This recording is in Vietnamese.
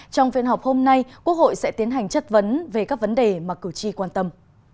trong phiên họp hôm nay quốc hội sẽ tiến hành chất vấn về các vấn đề mà cử tri quan tâm